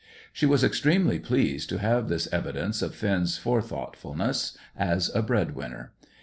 She was extremely pleased to have this evidence of Finn's forethoughtfulness as a bread winner.